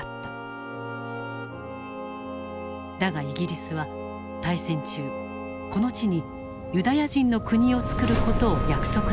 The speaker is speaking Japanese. だがイギリスは大戦中この地にユダヤ人の国をつくる事を約束していた。